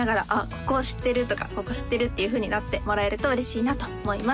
ここ知ってるとかここ知ってるっていうふうになってもらえると嬉しいなと思います